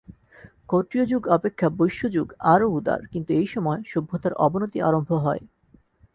ক্ষত্রিয়যুগ অপেক্ষা বৈশ্যযুগ আরও উদার, কিন্তু এই সময় সভ্যতার অবনতি আরম্ভ হয়।